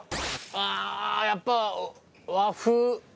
ああーやっぱ和風。